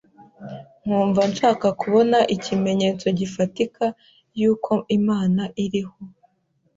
nkumva nshaka kubona ikimenyetso gifatika yuko Imana iriho.